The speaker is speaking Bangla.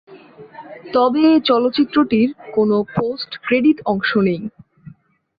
তবে এ চলচ্চিত্রটির কোনো পোস্ট ক্রেডিট অংশ নেই।